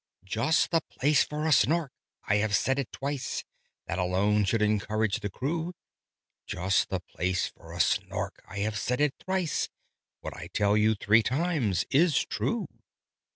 "Just the place for a Snark! I have said it twice: That alone should encourage the crew. Just the place for a Snark! I have said it thrice: What I tell you three times is true."